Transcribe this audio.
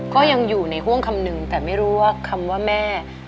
ก็ยังอยู่ในห่วงคำนึงแต่ไม่รู้ว่าคำว่าแม่